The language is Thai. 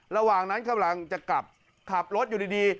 ระหว่างนั้นกำลังจะกลับขับรถอยู่ดี